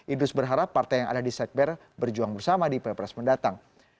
idus berharap partai yang ada di sekber berjuang bersama di pilpres mendatang